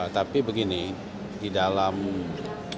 tapi begini di dalam